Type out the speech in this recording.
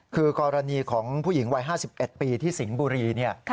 คือกรณีของผู้หญิงวัย๕๑ปีที่สิงห์บุรีเนี่ย